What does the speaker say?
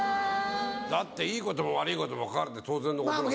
だっていいことも悪いことも書かれて当然のことなんだから。